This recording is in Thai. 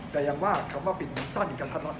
แต่ยังว่าคำว่าปิดสั้นอย่างกระทะละ